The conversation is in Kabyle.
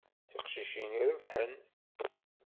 D tiqcicin i irebḥen.